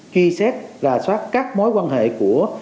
ghi xét và xoát các mối quan hệ của